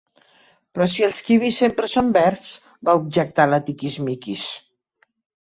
Però si els kiwis sempre són verds —va objectar la Tiquismiquis.